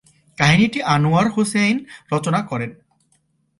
কাহিনীটি আনোয়ার হুসেইন রচনা করেন।